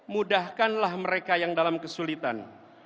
mudahkanlah mereka yang dalam kesulitan